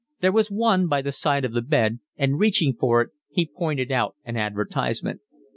There was one by the side of the bed and reaching for it he pointed out an advertisement.